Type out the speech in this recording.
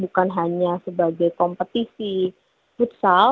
bukan hanya sebagai kompetisi futsal